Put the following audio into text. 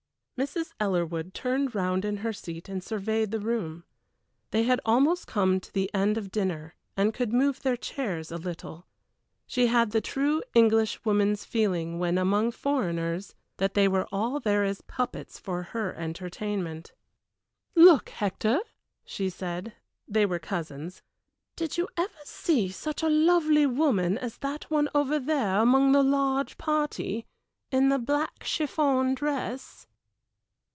Mrs. Ellerwood turned round in her seat and surveyed the room. They had almost come to the end of dinner, and could move their chairs a little. She had the true Englishwoman's feeling when among foreigners that they were all there as puppets for her entertainment. "Look, Hector," she said they were cousins "did you ever see such a lovely woman as that one over there among the large party, in the black chiffon dress?"